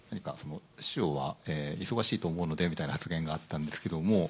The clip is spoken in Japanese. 師匠は忙しいと思うのでみたいな発言があったんですけども